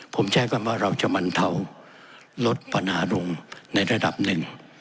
ผมใช้คำว่าเราจะบรรเทาลดปัญหาลงในระดับหนึ่ง